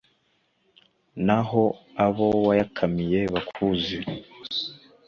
naho abo wayakamiye bakuzi